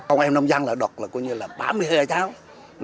công em nông dân là đọc là có như là ba mươi hai tháng